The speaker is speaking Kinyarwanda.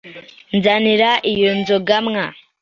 Nzanira iyo nzoga mwa